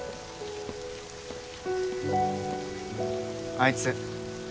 あいつ